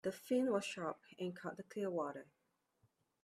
The fin was sharp and cut the clear water.